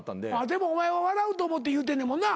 でもお前は笑うと思って言うてんねんもんな。